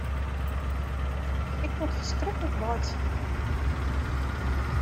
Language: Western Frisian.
Ik moat ferskriklik laitsje.